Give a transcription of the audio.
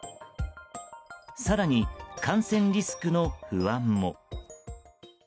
更に感染リスクの不安も。